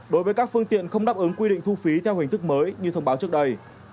đối với các phương tiện không đáp ứng quy định thu phí theo hình thức mới như thông báo trước đây